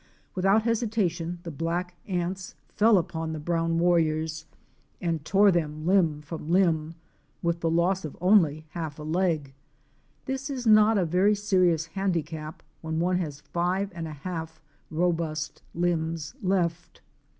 Without hesitation the black giants fell upon the brown warriors and tore them limb from limb, with the loss of only half aleg. This is not avery serious hand icap, when one has five and a half robust limbs left!